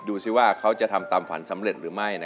ดูสิว่าเขาจะทำตามฝันสำเร็จหรือไม่